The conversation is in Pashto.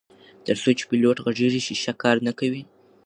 تر څو چې پیلوټ غږیږي شیشه کار نه کوي.